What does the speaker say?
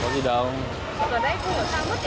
có gì đâu